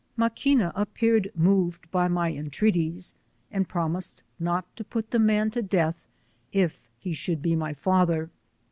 Maquina, appeared moved by my entreaties, and promised not to put the man to death if he should be my father.